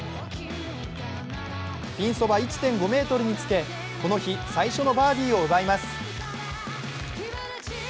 ピンそば１．５ｍにつけ、この日最初のバーディーを奪います。